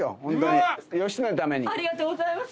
ありがとうございます。